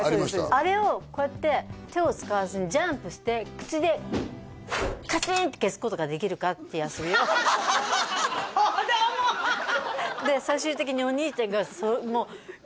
あれをこうやって手を使わずにジャンプして口でカチーンって消すことができるかって遊びを子供で最終的にお兄ちゃんがもうバーン！